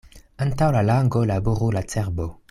Antaŭ la lango laboru la cerbo.